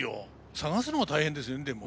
探すのが大変ですよねでも。